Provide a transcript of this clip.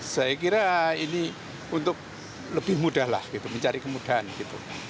saya kira ini untuk lebih mudah lah gitu mencari kemudahan gitu